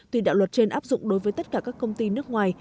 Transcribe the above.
tuy đạo luật trên áp dụng đối với tất cả các công ty nước ngoài